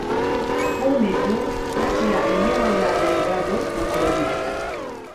kumi tu kati ya eneo la Delgado na Mogadishu